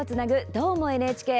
「どーも、ＮＨＫ」。